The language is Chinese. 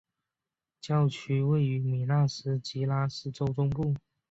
教区位于米纳斯吉拉斯州中部。